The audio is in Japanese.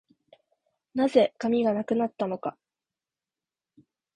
何故、紙がなくなったのか